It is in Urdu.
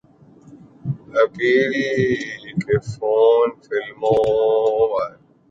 ایپل کے ئی فون فلموں میں ولن کیوں نہیں استعمال کرسکتے